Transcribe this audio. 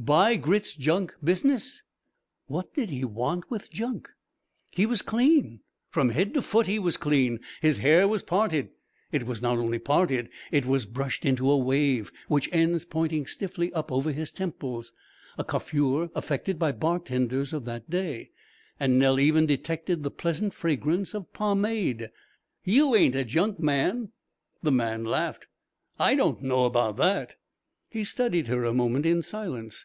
Buy Grit's junk business!" What did he want with junk? He was clean! From head to foot he was clean! His hair was parted. It was not only parted, it was brushed into a wave, with ends pointing stiffly up over his temples (a coiffure affected by bartenders of that day); and Nell even detected the pleasant fragrance of pomade. "You ain't a junkman." The man laughed. "I don't know about that." He studied her a moment in silence.